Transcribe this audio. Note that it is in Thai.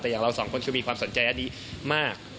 แต่อย่างเราสองคนคือมีความสนใจอันนี้มาก